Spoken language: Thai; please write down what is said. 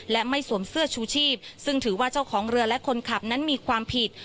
และไม่สวมเสื้อชูชีพซึ่งถือว่าเจ้าของเรือและคนขับนั้นมีความผิด